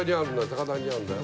高台にあるんだよ。